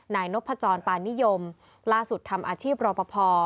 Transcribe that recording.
นายนพจรปานิยมล่าสุดทำอาชีพรอปภ